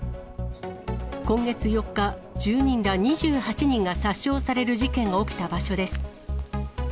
今月４日、住民ら２８人が殺傷される事件が起きた場所です。